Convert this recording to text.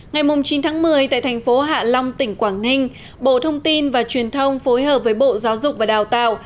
ngày chín tháng một mươi tại thành phố hạ long tỉnh quảng ninh bộ thông tin và truyền thông phối hợp với bộ giáo dục và đào tạo